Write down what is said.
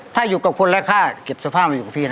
ถ้าอยู่กับคนราคาเก็บสวรรค์ผ้ามันอยู่กับพี่นะ